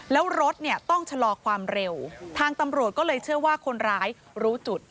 แล้วรถเนี่ยต้องชะลอความเร็วทางตำรวจก็เลยเชื่อว่าคนร้ายรู้จุด